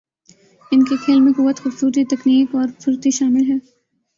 ان کے کھیل میں قوت، خوبصورتی ، تکنیک اور پھرتی شامل ہے